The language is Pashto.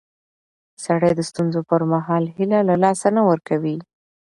سړی د ستونزو پر مهال هیله له لاسه نه ورکوي